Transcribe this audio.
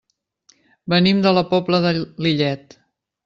Venim de la Pobla de Lillet.